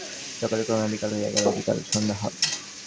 সকাল ক্রমে বিকাল হইয়া গেল, বিকাল সন্ধ্যা হয়।